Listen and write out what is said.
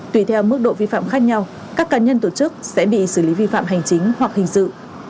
tùy theo mức độ vi phạm khác nhau các cá nhân tổ chức sẽ bị xử lý vi phạm hành chính hoặc hình sự